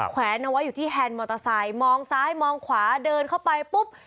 แวนเอาไว้อยู่ที่แฮนด์มอเตอร์ไซค์มองซ้ายมองขวาเดินเข้าไปปุ๊บ